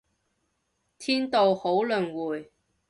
天道好輪迴